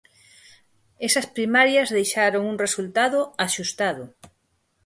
Esas primarias deixaron un resultado axustado.